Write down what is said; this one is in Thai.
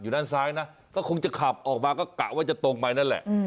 ด้านซ้ายนะก็คงจะขับออกมาก็กะว่าจะตรงไปนั่นแหละ